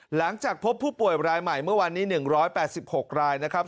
หลังจากพบผู้ป่วยรายใหม่เมื่อวานนี้๑๘๖รายนะครับ